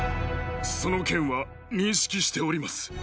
その件は認識しております。